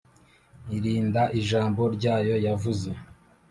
Irinda ijambo ryayo yavuze